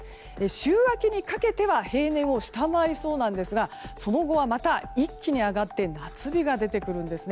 週明けにかけては平年を下回りそうですがその後はまた一気に上がって夏日が出てくるんです。